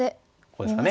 こうですかね。